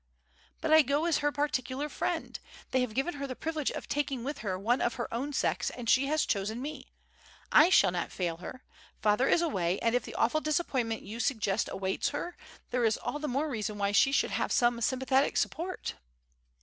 "But I go as her particular friend. They have given her the privilege of taking with her one of her own sex and she has chosen me. I shall not fail her. Father is away, and if the awful disappointment you suggest awaits her, there is all the more reason why she should have some sympathetic support?"